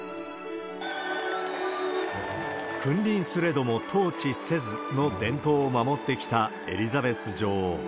君臨すれども統治せずの伝統を守ってきたエリザベス女王。